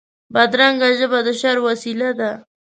بدرنګه ژبه د شر وسیله ده